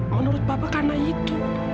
menurut papa karena itu